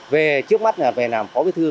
về trước mắt về làm phó bí thư